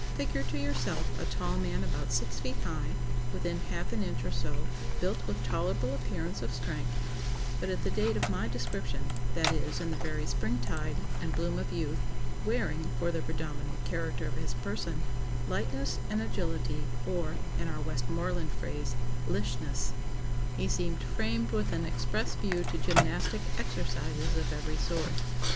Figure to yourself a tall man about six feet high, within half an inch or so, built with tolerable appearance of strength; but at the date of my description (that is, in the very spring tide and bloom of youth) wearing, for the predominant character of his person, lightness and agility or (in our Westmoreland phrase) lishness, he seemed framed with an express view to gymnastic exercises of every sort.